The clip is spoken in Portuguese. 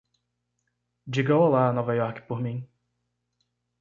Diga olá a Nova York por mim.